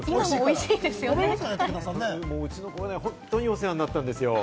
うちの子、本当にお世話になったんですよ。